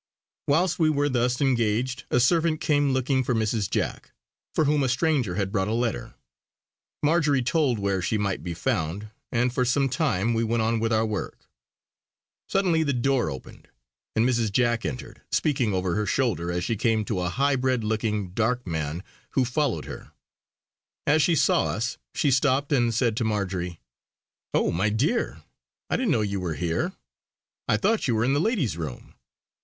Whilst we were thus engaged a servant came looking for Mrs. Jack, for whom a stranger had brought a letter. Marjory told where she might be found, and for some time we went on with our work. Suddenly the door opened, and Mrs. Jack entered, speaking over her shoulder as she came to a high bred looking, dark man who followed her. As she saw us she stopped and said to Marjory: "Oh! my dear, I didn't know you were here. I thought you were in the ladies' room."